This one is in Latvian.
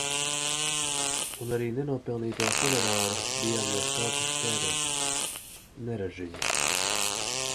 Un arī nenopelnīto honorāru bijām jau sākuši tērēt. Neražiņa.